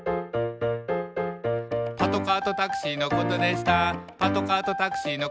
「パトカーとタクシーのことでした」